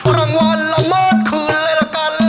รางวัลละเมิดคืนเลยละกัน